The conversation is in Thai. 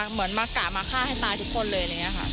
เหมือนมักก่ามาฆ่าให้ตายทุกคนเลย